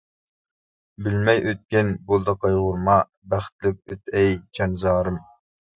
بىلمەي ئۆتكىن بولدى قايغۇرما، بەختلىك ئۆت ئەي جان زارىم.